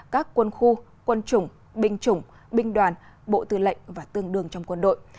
các quân khu quân chủng binh chủng binh đoàn bộ tư lệnh và tương đương trong quân đội